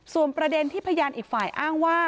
ส่วนประเด็นที่พยานอีกฝ่ายอ้างว่า